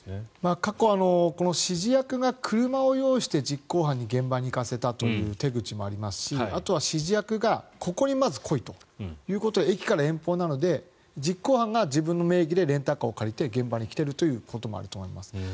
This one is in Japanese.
過去、この指示役が車を用意して実行犯に現場に行かせたという手口もありますしあとは指示役がここにまず来いということを駅から遠方なので実行犯が自分の名義でレンタカーを借りて現場に来ているということもあると思います。